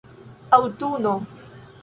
aŭtuno